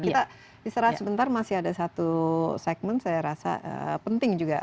kita istirahat sebentar masih ada satu segmen saya rasa penting juga